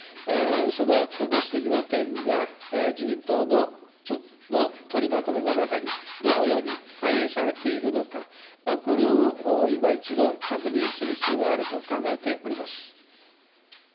そのご指摘の点が自民党の取りまとめの中に、どのように反映されているのか、これをいま一度確認する必要があると考えております。